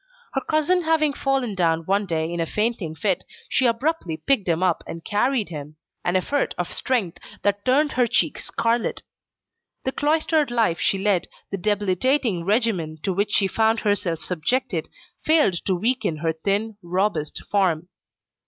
Her cousin having fallen down one day in a fainting fit, she abruptly picked him up and carried him an effort of strength that turned her cheeks scarlet. The cloistered life she led, the debilitating regimen to which she found herself subjected, failed to weaken her thin, robust form.